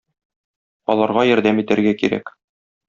Аларга ярдәм итәргә кирәк.